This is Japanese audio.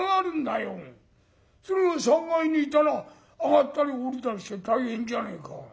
それが３階にいたら上がったり下りたりして大変じゃねえか。